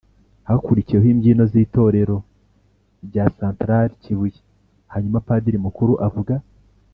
hakurikiyeho imbyino z’itorero rya santarali kibuye, hanyuma padiri mukuru avuga